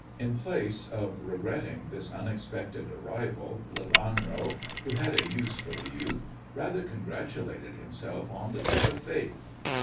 In place of regretting this unexpected arrival, Lelanro, who had a use for the youth, rather congratulated himself on the trick of Fate.